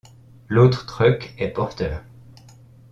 L'autre truck est porteur.